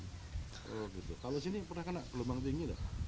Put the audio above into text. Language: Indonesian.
kalau di sini pernah kena gelombang tinggi tidak